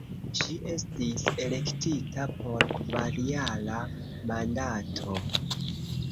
Ŝi estis elektita por kvarjara mandato.